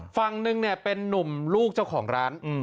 ฝั่งหนึ่งเป็นนุ่มลูกเจ้าของร้าน